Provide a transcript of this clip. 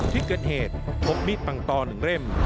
ที่เกิดเหตุพบมิดปังตอหนึ่งเร่ม